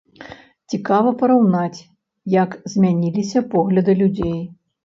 Цікава параўнаць, як змяніліся погляды людзей.